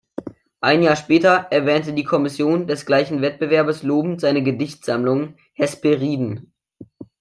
Ein Jahr später, erwähnte die Kommission des gleichen Wettbewerbes lobend seine Gedichtsammlung „Hesperiden“.